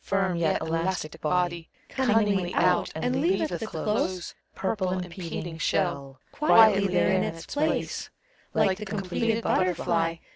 Firm yet elastic body Cunningly out, and leaveth the close. Purple, impeding shell Quietly there in its place. Like the completed butterfly.